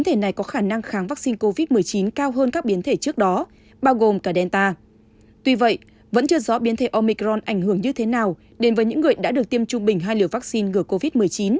tuy vậy vẫn chưa rõ biến thể omicron ảnh hưởng như thế nào đến với những người đã được tiêm trung bình hai liều vaccine ngừa covid một mươi chín